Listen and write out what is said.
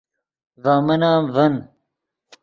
ڤے من ام ڤین